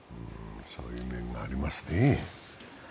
そういう面がありますね。